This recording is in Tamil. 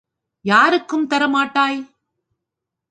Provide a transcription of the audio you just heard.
யாருக்கும் தர மாட்டாய்?